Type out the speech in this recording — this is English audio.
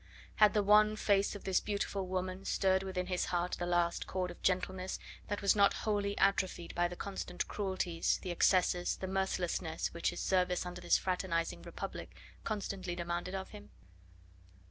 Had the wan face of this beautiful woman stirred within his heart the last chord of gentleness that was not wholly atrophied by the constant cruelties, the excesses, the mercilessness which his service under this fraternising republic constantly demanded of him?